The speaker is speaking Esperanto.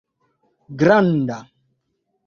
granda